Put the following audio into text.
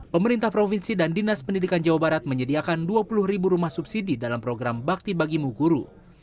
pemerintah provinsi dan dinas pendidikan jawa barat menyediakan dua puluh ribu rumah subsidi dalam program bakti bagimu guru